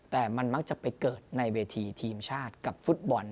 แต่มันมักจะไปเกิดในเวทีทีมชาติกับฟุตบอล